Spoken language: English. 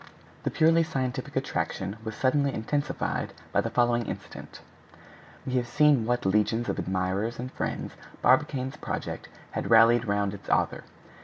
The purely scientific attraction was suddenly intensified by the following incident: We have seen what legions of admirers and friends Barbicane's project had rallied round its author.